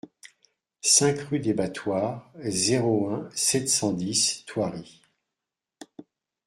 cinq rue des Battoirs, zéro un, sept cent dix, Thoiry